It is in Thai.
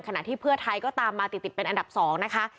ขณะที่เพื่อไทยก็ตามมาติดเป็นอันดับ๒นะคะ